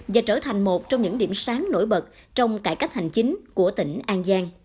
và trở thành một trong những điểm sáng nổi bật trong cải cách hành chính của tỉnh an giang